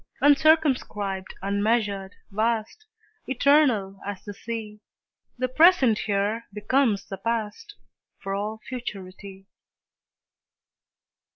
Uncircumscribed, unmeasured, vast, Eternal as the Sea, The present here becomes the past, For all futurity.